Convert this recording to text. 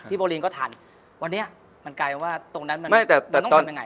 โบลินก็ทันวันนี้มันกลายเป็นว่าตรงนั้นมันต้องทำยังไง